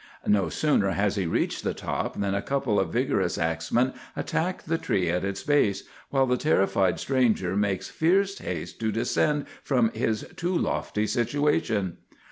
No sooner has he reached the top, than a couple of vigorous axemen attack the tree at its base, while the terrified stranger makes fierce haste to descend from his too lofty situation.